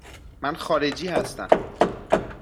من خارجی هستم.